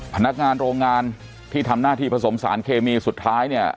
พนักงานโรงงานที่ทำหน้าที่ผสมสารเคมีสุดท้ายเนี่ย